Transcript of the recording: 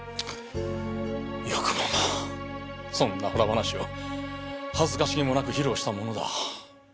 よくもまぁそんなホラ話を恥ずかしげもなく披露したものだ。